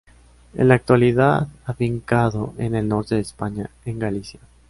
En la actualidad afincado en el norte de España, en Galicia.